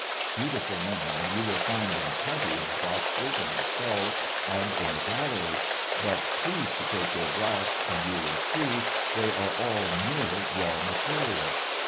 Beautiful women, you will find in plenty in the boxes, in the stalls, and in the gallery. But please to take your glass, and you will see they are allmere raw material.